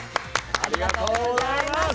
ありがとうございます。